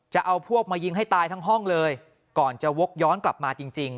จะเอาพวกมายิงให้ตายทั้งห้องเลยก่อนจะวกย้อนกลับมาจริง